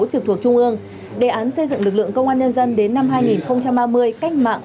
trực thuộc trung ương đề án xây dựng lực lượng công an nhân dân đến năm hai nghìn ba mươi cách mạng